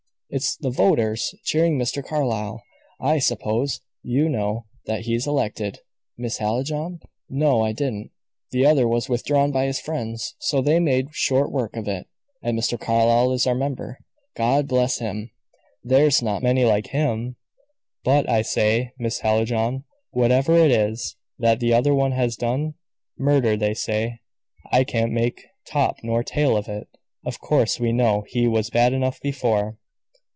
"It's the voters cheering Mr. Carlyle. I suppose you know that he's elected, Miss Hallijohn?" "No, I didn't." "The other was withdrawn by his friends, so they made short work of it, and Mr. Carlyle is our member. God bless him! there's not many like him. But, I say, Miss Hallijohn, whatever is it that the other one has done? Murder, they say. I can't make top nor tail of it. Of course we know he was bad enough before."